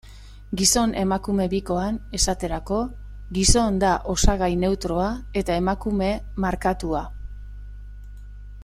Gizon-emakume bikoan, esaterako, gizon da osagai neutroa, eta emakume markatua.